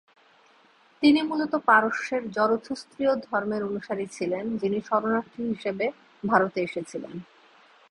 তিনি মূলত পারস্যের জরথুস্ত্রীয় ধর্মের অনুসারী ছিলেন যিনি শরণার্থী হিসেবে ভারতে এসেছিলেন।